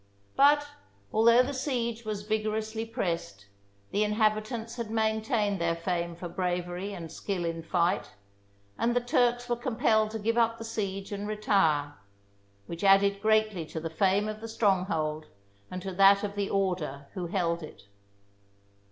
But, although the siege was vigorously pressed, [ 212 ] THE SIEGE OF RHODES the inhabitants had maintained their fame for brav ery and skill in fight, and the Turks were compelled to give up the siege and retire — which added greatly to the fame of the stronghold and to that of the order who held it.